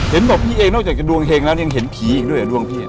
เห็นบอกพี่เองนอกจากจะดวงเฮงแล้วยังเห็นผีอีกด้วยเหรอดวงพี่